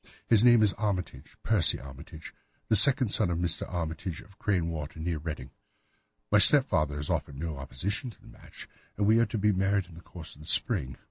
His name is Armitage—Percy Armitage—the second son of Mr. Armitage, of Crane Water, near Reading. My stepfather has offered no opposition to the match, and we are to be married in the course of the spring.